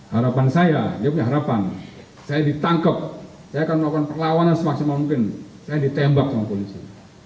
harapan saya dia punya harapan saya ditangkap saya akan melakukan perlawanan semaksimal mungkin saya ditembak sama polisi